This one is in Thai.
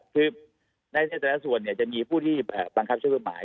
คือในแต่ละส่วนจะมีผู้ที่บังคับใช้กฎหมาย